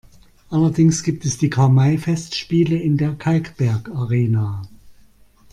Allerdings gibt es die Karl-May-Festspiele in der Kalkbergarena.